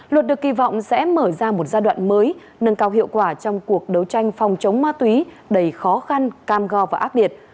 luật được kỳ vọng sẽ mở ra một giai đoạn mới nâng cao hiệu quả trong cuộc đấu tranh phòng chống ma túy đầy khó khăn cam go và ác liệt